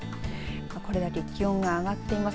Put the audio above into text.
これだけ気温が上がっています。